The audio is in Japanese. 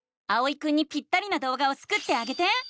あおいくんにぴったりなどうがをスクってあげて！